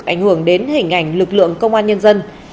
ảnh hưởng đến hình ảnh lực lượng công an nhân dân